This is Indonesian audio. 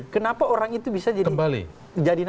kenapa orang itu bisa jadi nakal lagi